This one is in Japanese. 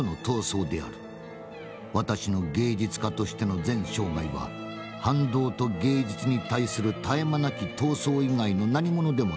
私の芸術家としての全生涯は反動と芸術に対する絶え間なき闘争以外の何物でもない。